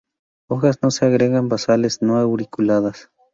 Hojas no se agregan basales; no auriculadas.